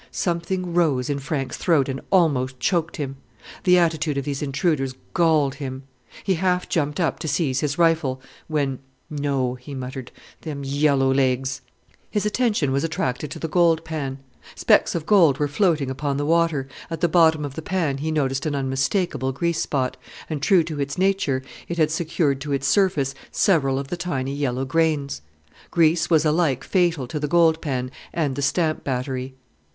Something rose in Frank's throat and almost choked him. The attitude of these intruders galled him. He half jumped up to seize his rifle, when "No," he muttered: "Them yellow legs!" His attention was attracted to the gold pan. Specks of gold were floating upon the water; at the bottom of the pan he noticed an unmistakable grease spot, and, true to its nature, it had secured to its surface several of the tiny yellow grains. Grease was alike fatal to the gold pan and the stamp battery.